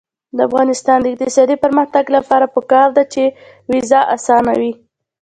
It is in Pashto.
د افغانستان د اقتصادي پرمختګ لپاره پکار ده چې ویزه اسانه وي.